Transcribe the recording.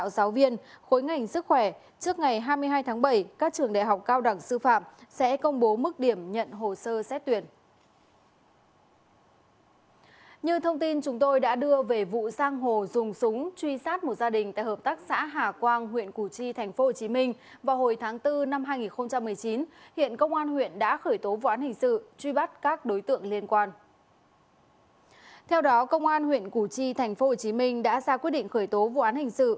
sau đó công an huyện củ chi tp hcm đã ra quyết định khởi tố vụ án hình sự